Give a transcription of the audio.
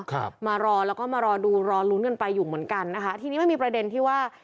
ครับมารอแล้วก็มารอดูรอลุ้นกันไปอยู่เหมือนกันนะคะทีนี้มันมีประเด็นที่ว่า